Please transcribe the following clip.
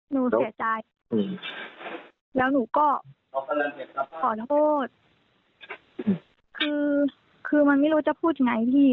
หนูเสียใจแล้วหนูก็ขอโทษคือมันไม่รู้จะพูดอย่างไรที